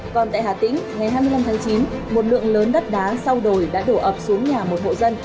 còn tại hà tĩnh ngày hai mươi năm tháng chín một lượng lớn đất đá sau đồi đã đổ ập xuống nhà một hộ dân